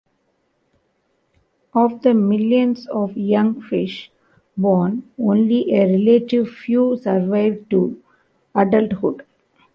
Of the millions of young fish born, only a relative few survive to adulthood.